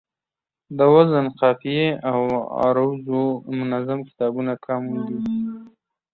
د وزن، قافیې او عروضو منظم کتابونه کم دي